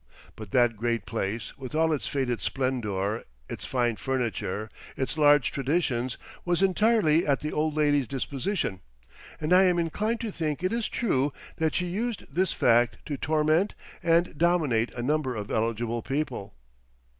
But that great place, with all its faded splendour, its fine furniture, its large traditions, was entirely at the old lady's disposition; and I am inclined to think it is true that she used this fact to torment and dominate a number of eligible people.